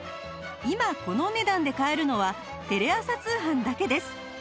今このお値段で買えるのはテレ朝通販だけです